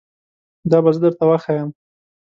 دا به زه درته وښایم